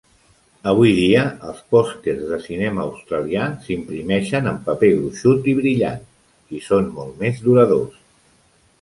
Avui dia, els pòsters de cinema australià s'imprimeixen en paper gruixut i brillant, i són molt més duradors.